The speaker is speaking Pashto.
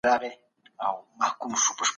د اتفاق او غیرت وه